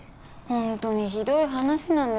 本当にひどい話なんです。